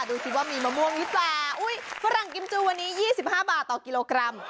ดูซิว่ามีมะม่วงวิสาฝรั่งกิมจูวันนี้๒๕บาทต่อกิโลกรัม